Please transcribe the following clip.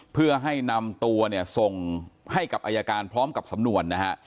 เพื่อให้นำตัวเนี่ยส่งให้กับอายการพร้อมกับสำนวนนะฮะ